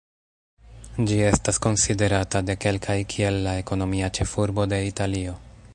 Ĝi estas konsiderata de kelkaj kiel la ekonomia ĉefurbo de Italio.